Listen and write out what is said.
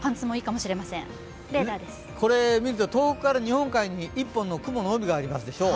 これ見ると東北から日本海に一本の雲の帯がありますでしょう。